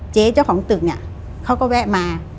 เจ๊เจ้าของตึกเขาก็แวะมา